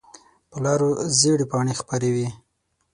په لارو زېړې پاڼې خپرې وي